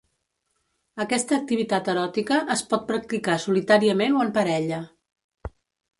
Aquesta activitat eròtica es pot practicar solitàriament o en parella.